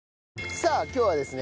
さあ今日はですね